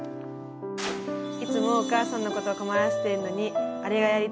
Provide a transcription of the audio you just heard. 「いつもお母さんのこと困らせてるのに“あれがやりたい！”